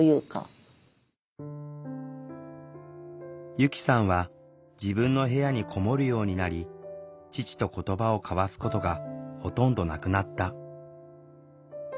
由希さんは自分の部屋に籠もるようになり父と言葉を交わすことがほとんどなくなった。